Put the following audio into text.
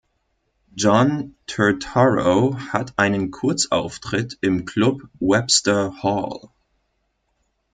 John Turturro hat einen Kurzauftritt im Club "Webster Hall".